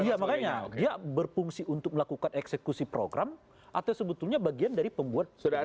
iya makanya dia berfungsi untuk melakukan eksekusi program atau sebetulnya bagian dari pembuat kebijakan